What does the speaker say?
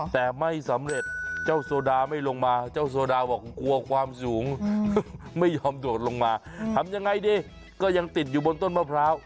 แต่ไม่สำเร็จเจ้าโซดาไม่ลงมาเจ้าโซดาบอกกลัวความสูงไม่ยอมโดดลงมาทำยังไงดีก็ยังติดอยู่บนต้นมะพร้าว